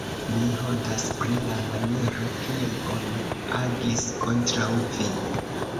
mi hontas pri la maniero, kiel oni agis kontraŭ vi.